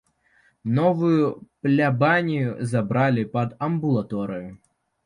Новую плябанію забралі пад амбулаторыю.